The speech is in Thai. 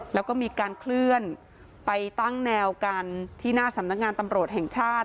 แล้วก็มีการเคลื่อนไปตั้งแนวกันที่หน้าสำนักงานตำรวจแห่งชาติ